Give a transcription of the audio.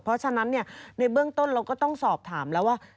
เพราะฉะนั้นในเบื้องต้นเราก็ต้องสอบถามแล้วว่า